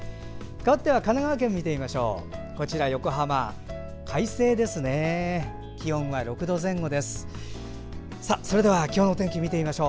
かわっては神奈川県を見てみましょう。